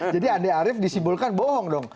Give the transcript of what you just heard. jadi andi arief disimpulkan bohong dong